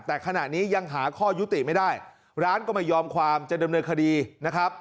แต่ขณะนี้ยังหาข้อยุติไม่ได้ร้านก็ไม่ยอมความจะดำเนินคดีนะครับ